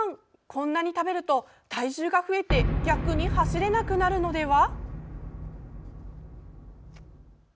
こんなに食べると体重が増えて逆に走れなくなるのでは？